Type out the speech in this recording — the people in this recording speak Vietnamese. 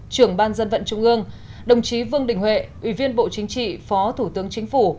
trưởng ban dân vận trung ương đồng chí vương đình huệ ủy viên bộ chính trị phó thủ tướng chính phủ